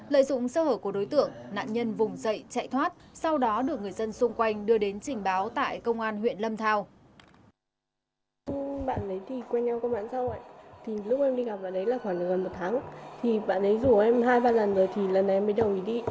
lợi dụng sơ hở của đối tượng nạn nhân vùng dậy chạy thoát sau đó được người dân xung quanh đưa đến trình báo tại công an huyện lâm thao